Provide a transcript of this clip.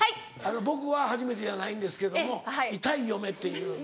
僕は初めてじゃないんですけどもイタい嫁っていう。